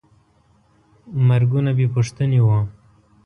مرګونه بېپوښتنې وو.